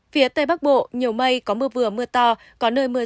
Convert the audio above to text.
phía tây bắc bộ nhiều mây có mưa vừa mưa to có nơi mưa rơi